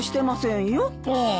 ああ。